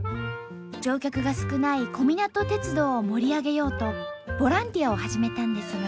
乗客が少ない小湊鉄道を盛り上げようとボランティアを始めたんですが。